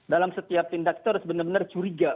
dalam setiap tindak itu harus benar benar curiga